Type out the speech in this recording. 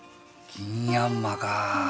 ギンヤンマかぁ